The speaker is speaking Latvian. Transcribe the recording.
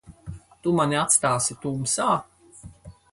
Tu mani atstāsi tumsā?